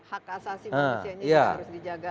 hak asasi keputusannya yang harus dijaga